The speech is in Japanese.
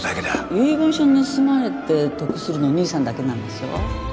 遺言書盗まれて得するの兄さんだけなんでしょう？